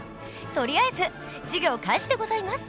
とりあえず授業開始でございます。